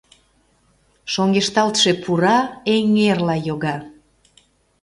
Шоҥешталтше пура эҥерла йога.